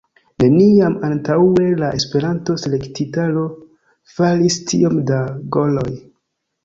Neniam antaŭe la Esperanto-Selektitaro faris tiom da goloj.